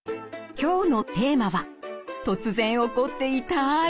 今日のテーマは突然起こって痛い